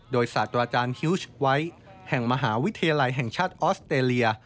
โดยศาสตราจารย์ฮิวชไว้แห่งมหาวิทยาลัยแห่งชาติออสเตรเลีย